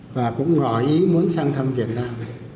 và cũng ngỏ ý muốn sang thăm việt nam